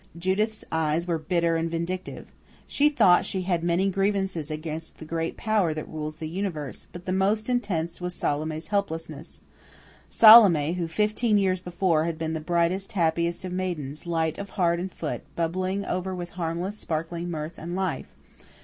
Judith's eyes were bitter and vindictive. She thought she had many grievances against the great Power that rules the universe, but the most intense was Salome's helplessness Salome, who fifteen years before had been the brightest, happiest of maidens, light of heart and foot, bubbling over with harmless, sparkling mirth and life.